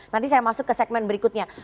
nanti saya masuk ke segmen berikutnya